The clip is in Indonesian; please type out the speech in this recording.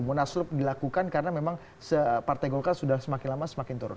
munaslup dilakukan karena memang partai golkar sudah semakin lama semakin turun